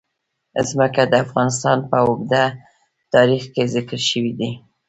ځمکه د افغانستان په اوږده تاریخ کې ذکر شوی دی.